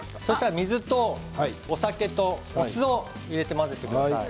水とお酒とお酢を入れて混ぜてください。